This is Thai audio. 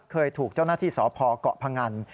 เคยถูกเจ้าหน้าที่สพเกาะพงัน